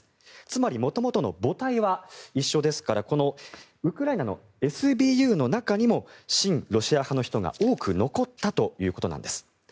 つまり、元々の母体は一緒ですからウクライナのＳＢＵの中にも親ロシア派の人が多く残ったということなんです。